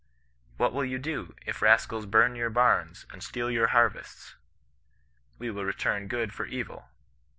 * What will you do, if rascals hum your hams, and steal your harvests?* 'We will return good for evil.